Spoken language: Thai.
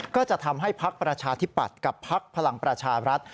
ก็จะทำให้พักประชาธิปัตย์กับพักพลังประชารัฐ